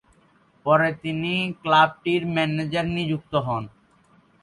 পরে তিনি ক্লাবটির ম্যানেজার নিযুক্ত হন।